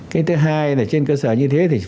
cái thứ hai là trên cơ sở như thế thì phải có